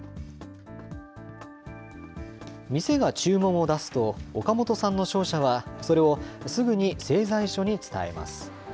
店が注文を出すと、岡元さんの商社はそれをすぐに製材所に伝えます。